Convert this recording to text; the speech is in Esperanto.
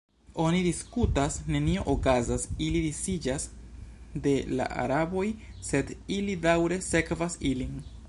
Oni diskutas, nenio okazas, ili disiĝas de la araboj, sed ili daŭre sekvas ilin.